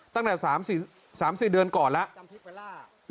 ตั้งแต่๓๔เดือนก่อนแล้ว